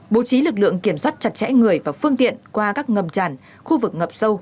bố trí lực lượng kiểm soát chặt chẽ người và phương tiện qua các ngầm tràn khu vực ngập sâu